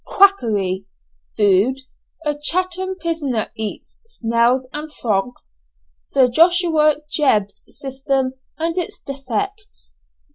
QUACKERY FOOD A CHATHAM PRISONER EATS SNAILS AND FROGS SIR JOSHUA JEBB'S SYSTEM AND ITS DEFECTS.